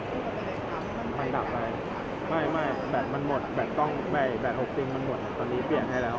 ไม่ดับอะไรไม่ไม่แบตมันหมดแบตต้องไม่แบต๖ติงมันหมดตอนนี้เปลี่ยนให้แล้ว